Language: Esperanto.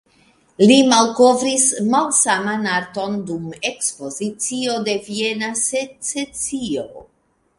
Li malkovris malsaman arton dum ekspozicio de Viena Secesio.